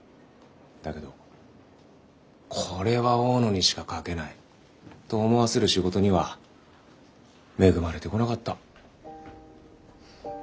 だけど「これは大野にしか書けない」と思わせる仕事には恵まれてこなかった。